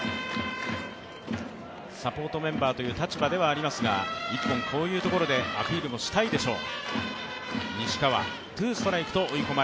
サポートメンバーという立場ではありますが、一本こういうところでアピールもしたいでしょう。